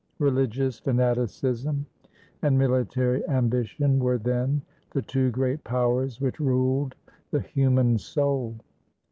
Religious fanati cism and military ambition were then the two great powers which ruled the human soul.